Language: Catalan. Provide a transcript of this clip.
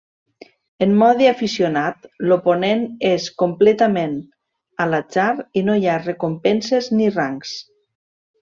En mode aficionat l'oponent és completament a l'atzar i no hi ha recompenses ni rangs.